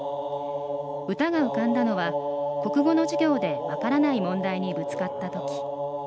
歌が浮かんだのは国語の授業で分からない問題にぶつかったとき。